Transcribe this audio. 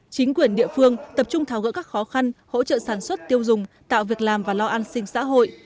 chính quyền địa phương tập trung tháo gỡ các khó khăn hỗ trợ sản xuất tiêu dùng tạo việc làm và lo an sinh xã hội